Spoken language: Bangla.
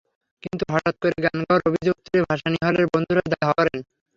কিন্তু হঠাৎ করে গান গাওয়ার অভিযোগ তুলে ভাসানী হলের বন্ধুরাই ধাওয়া করেন।